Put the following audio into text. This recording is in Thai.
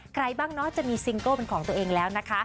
ใครบ้างเนาะจะมีซิงเกิลเป็นของตัวเองแล้วนะคะ